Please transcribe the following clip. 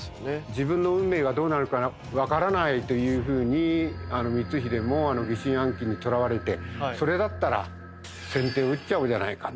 自分の運命がどうなるかわからないというふうに光秀も疑心暗鬼にとらわれてそれだったら先手を打っちゃおうじゃないかと。